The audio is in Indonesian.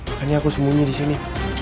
makanya aku sembunyi disini